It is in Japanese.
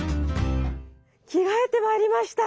着替えてまいりました。